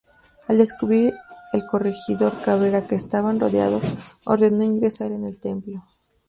Al descubrir el Corregidor Cabrera que estaban rodeados, ordenó ingresar en el templo.